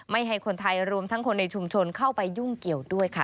ให้คนไทยรวมทั้งคนในชุมชนเข้าไปยุ่งเกี่ยวด้วยค่ะ